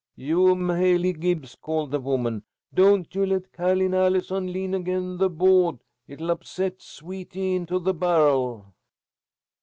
"You M'haley Gibbs," called the woman, "don't you let Ca'line Allison lean agin that bo'd. It'll upset Sweety into the bar'l."